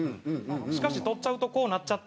しかし撮っちゃうとこうなっちゃった。